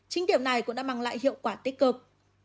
chính điều này cũng đã mang lại hiệu quả tích cực